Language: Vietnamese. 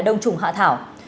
đông trùng hạ thảo